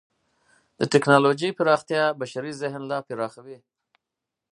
د ټکنالوجۍ پراختیا د بشري ذهن لا پراخوي.